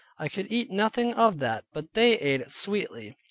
I could eat nothing of that, though they ate it sweetly.